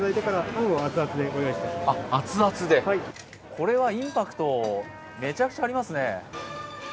これはインパクトめちゃくちゃありますね。